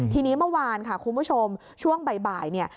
ทีนี้เมื่อวานค่ะคุณผู้ชมช่วงบ่ายเนี่ย